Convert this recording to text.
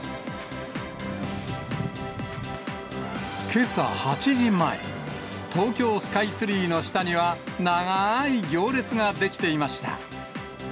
けさ８時前、東京スカイツリーの下には、長ーい行列が出来ていました。